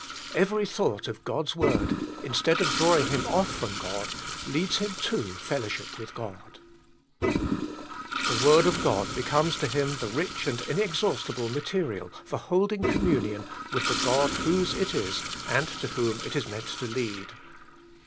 Every thought of God's Word, instead of drawing him off from God, leads him to fellowship with God. The word of God becomes to him the rich and inexhaustible material for holding communion with the God Whose it is and to Whom it is meant to lead.